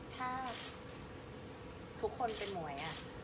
ถ้าทุกคนเป็นหมวย